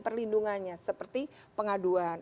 perlindungannya seperti pengaduan